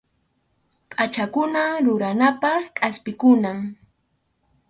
Pʼachakuna ruranapaq kʼaspikunam.